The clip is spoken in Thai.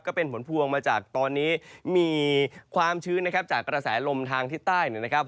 ก็เป็นผลพวงมาจากตอนนี้มีความชื้นนะครับจากกระแสลมทางทิศใต้นะครับ